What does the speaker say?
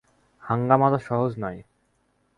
হাঙ্গামা তো সহজ নয়!